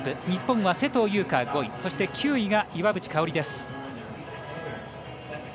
日本は勢藤優花が５位そして、９位が岩渕香里です。